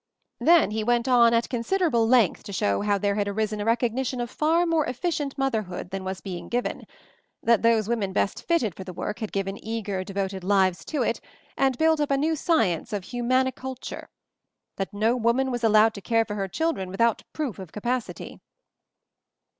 Then he went on at considerable length to show how there had arisen a recognition of far more efficient motherhood than was be ing given; that those women best fitted for the work had given eager, devoted lives to it and built up a new science of Humanicul ture ; that no woman was allowed to care for her children without proof of capacity.